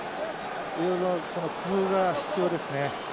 いろいろ工夫が必要ですね。